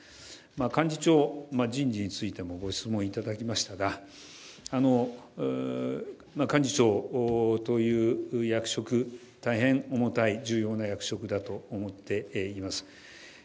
幹事長人事についてもご質問いただきましたが幹事長という役職、大変重たい重要な役職だと思っています。